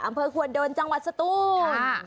อำเภอควนโดนจังหวัดสตูน